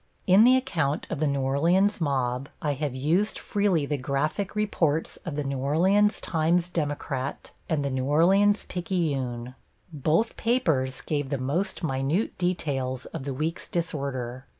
In the account of the New Orleans mob I have used freely the graphic reports of the New Orleans Times Democrat and the New Orleans Picayune. Both papers gave the most minute details of the week's disorder.